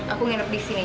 aku nginep di sini